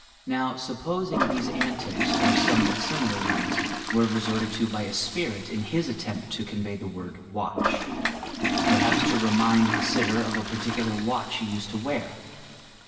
"Now, supposing these antics, or somevbat similar ones, were resorted to by a spirit in his attempt to otrnvcy the word 'watch* — perhaps to remind the stter of a partiealar watch be used to wear.